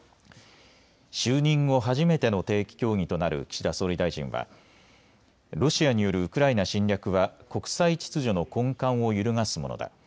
就任後、初めての定期協議となる岸田総理大臣はロシアによるウクライナ侵略は国際秩序の根幹を揺るがすものだ。